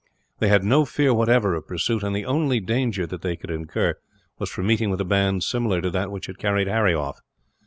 They had no fear, whatever, of pursuit; and the only danger that they could incur was from meeting with a band, similar to that which had carried Harry off.